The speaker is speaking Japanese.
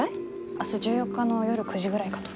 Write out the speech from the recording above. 明日１４日の夜９時ぐらいかと。